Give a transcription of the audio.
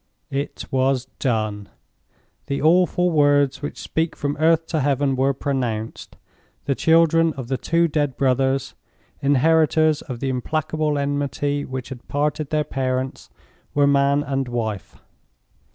It was done. The awful words which speak from earth to Heaven were pronounced. The children of the two dead brothers—inheritors of the implacable enmity which had parted their parents—were Man and Wife.